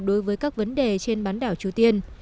đối với các vấn đề trên bán đảo triều tiên